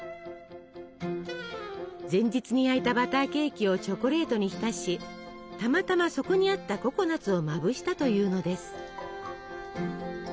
前日に焼いたバターケーキをチョコレートに浸したまたまそこにあったココナツをまぶしたというのです。